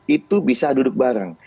itu bisa duduk bareng